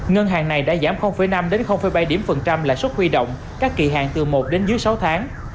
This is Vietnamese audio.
ngân hàng này đã giảm năm bảy điểm phần trăm lãi suất huy động các kỳ hạn từ một đến dưới sáu tháng